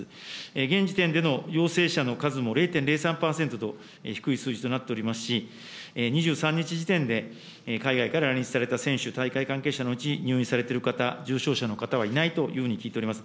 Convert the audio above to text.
現時点での陽性者の数も０．０３％と低い数字となっておりますし、２３日時点で海外から来日された選手、大会関係者のうち、入院されている方、重症者の方はいないというふうに聞いております。